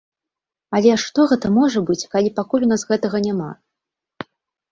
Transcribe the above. Але што гэта можа быць, калі пакуль у нас гэтага няма?